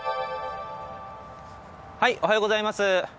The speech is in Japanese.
おはようございます。